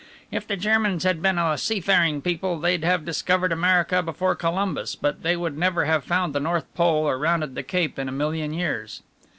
If the Germans had been a seafaring people they'd have discovered America before Columbus, but they would never have found the North Pole or rounded the Cape in a million years."